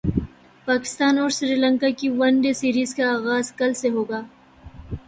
پاکستان اور سری لنکا کی one day series کا غاز کل سے ہو گا